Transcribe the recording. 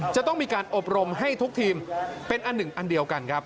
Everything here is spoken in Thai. จะต้องมีการอบรมให้ทุกทีมเป็นอันหนึ่งอันเดียวกันครับ